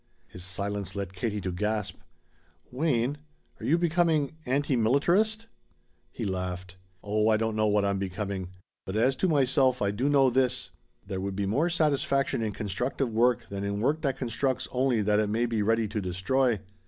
His silence led Katie to gasp: "Wayne, are you becoming anti militarist?" He laughed. "Oh, I don't know what I'm becoming. But as to myself I do know this. There would be more satisfaction in constructive work than in work that constructs only that it may be ready to destroy.